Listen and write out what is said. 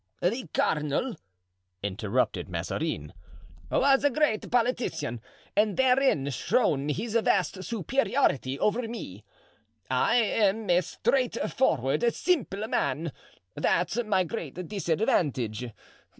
"The cardinal," interrupted Mazarin, "was a great politician and therein shone his vast superiority over me. I am a straightforward, simple man; that's my great disadvantage.